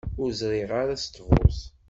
Ur ẓriɣ ara s ttbut.